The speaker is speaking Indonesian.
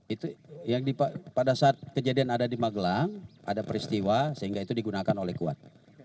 itu pada saat kejadian ada di magelang ada peristiwa sehingga itu digunakan oleh kuat